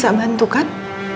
dia bisa bantu kan